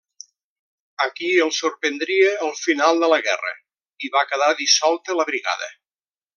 Aquí el sorprendria el final de la guerra, i va quedar dissolta la brigada.